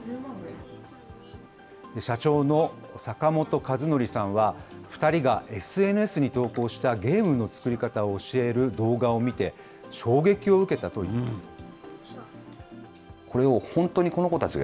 社長の坂本和則さんは、２人がＳＮＳに投稿したゲームの作り方を教える動画を見て、衝撃を受けたといいます。